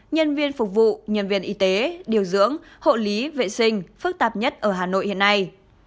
nhân viên phục vụ nhân viên y tế điều dưỡng hộ lý vệ sinh phức tạp nhất ở hà nội hiện nay